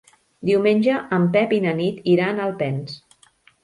Diumenge en Pep i na Nit iran a Alpens.